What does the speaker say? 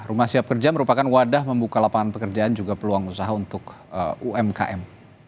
rumah siap kerja merupakan wadah membuka lapangan pekerjaan juga peluang usaha untuk umkm